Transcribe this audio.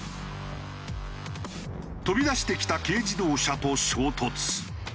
飛び出してきた軽自動車と衝突。